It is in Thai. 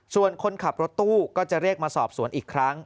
ส่วนคนขับรถตู้ก็จะเรียกมาสอบสวนอีกครั้ง